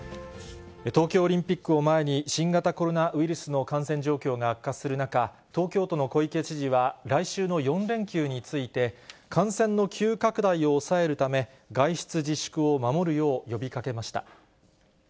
東京オリンピックを前に、新型コロナウイルスの感染状況が悪化する中、東京都の小池知事は、来週の４連休について、感染の急拡大を抑えるため、外出自粛を守るよう、呼びかけました。